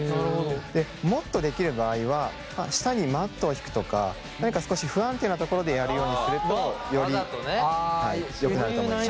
でもっとできる場合は下にマットを敷くとか何か少し不安定な所でやるようにするとよりよくなると思います。